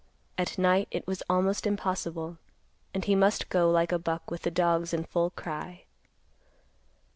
At night, it was almost impossible, and he must go like a buck with the dogs in full cry.